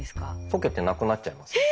溶けてなくなっちゃいますね。